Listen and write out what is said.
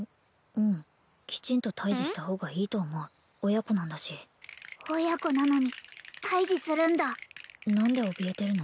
うんきちんと対峙した方がいいと思う親子なんだし親子なのに退治するんだ何でおびえてるの？